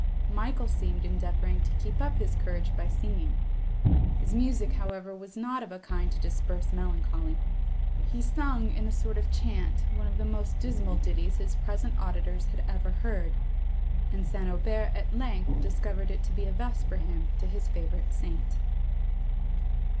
Michael seemed endeavouring to keep up his courage by singing; his music, however, was not of a kind to disperse melancholy; he sung, in a sort of chant, one of the most dismal ditties his present auditors had ever heard, and St. Aubert at length discovered it to be a vesper hymn to his favourite saint.